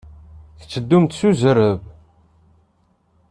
La tetteddumt s zzerb.